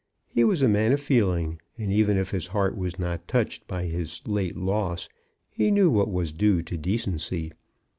He was a man of feeling, and even if his heart was not touched by his late loss, he knew what was due to decency.